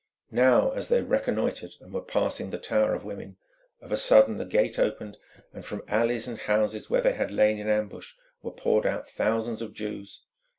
Now, as they reconnoitred and were passing the Tower of Women, of a sudden the gate opened, and from alleys and houses where they had lain in ambush were poured out thousands of Jews.